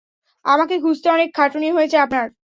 আমাকে খুঁজতে অনেক খাটুনী হয়েছে আপনার।